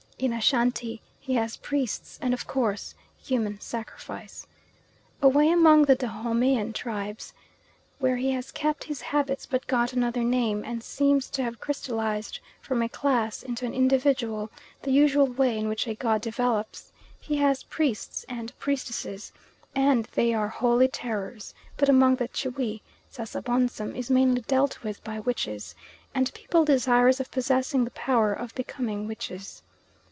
In Ashantee he has priests, and of course human sacrifice. Away among the Dahomeyan tribes where he has kept his habits but got another name, and seems to have crystallised from a class into an individual the usual way in which a god develops he has priests and priestesses, and they are holy terrors; but among the Tschwi, Sasabonsum is mainly dealt with by witches, and people desirous of possessing the power of becoming witches.